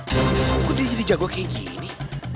aku dia jadi jago kayak gini